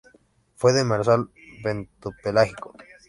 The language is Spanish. Demersal bentopelágico.